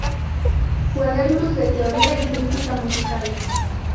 Cuadernos de teoría y crítica musical".